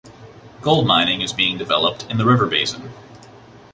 Gold mining is being developed in the river basin.